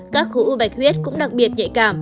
các khối u bạch huyết cũng đặc biệt nhạy cảm